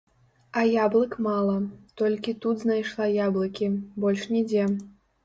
А яблык мала, толькі тут знайшла яблыкі, больш нідзе.